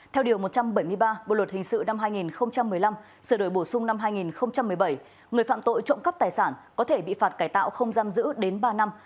theo điều một trăm bảy mươi ba bộ luật hình sự năm hai nghìn một mươi năm sửa đổi bổ sung năm hai nghìn một mươi bảy người phạm tội trộm cắp tài sản có thể bị phạt cải tạo không giam giữ đến ba năm